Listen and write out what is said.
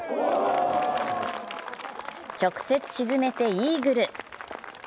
直接沈めてイーグル！